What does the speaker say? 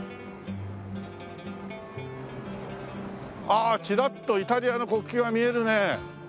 ああチラッとイタリアの国旗が見えるね。